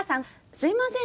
すいません